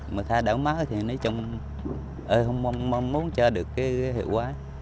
mà thay đổi mấy thì nói chung không muốn cho được hiệu quả